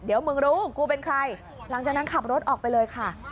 เดี๋ยวมึงรู้กูเป็นใครหลังจากนั้นขับรถออกไปเลยค่ะ